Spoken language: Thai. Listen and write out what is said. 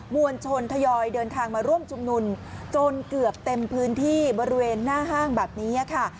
วลชนทยอยเดินทางมาร่วมชุมนุมจนเกือบเต็มพื้นที่บริเวณหน้าห้างแบบนี้ค่ะ